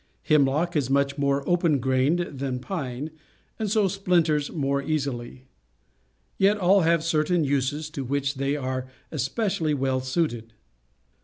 Hemlock is much more open grained than pine, and so .splinters more easily. Yet all have certain uses to which they are especially well suited.